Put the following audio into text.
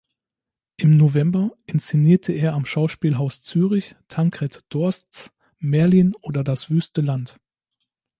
Im November inszenierte er am Schauspielhaus Zürich Tankred Dorsts "Merlin oder Das wüste Land".